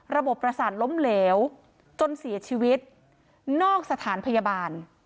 ประสาทล้มเหลวจนเสียชีวิตนอกสถานพยาบาล